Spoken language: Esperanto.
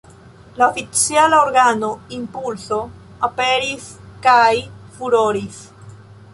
La oficiala organo "Impulso" aperis kaj "furoris".